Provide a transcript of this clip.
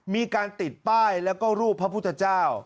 มีการติดป้ายแล้วก็รูปพระพุทธเจ้า